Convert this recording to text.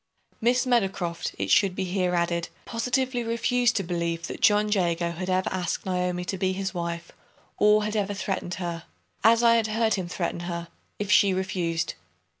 Miss Meadowcroft, it should be here added, positively refused to believe that John Jago had ever asked Naomi to be his wife, or had ever threatened her, as I had heard him threaten her, if she refused.